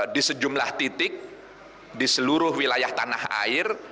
di sejumlah titik di seluruh wilayah tanah air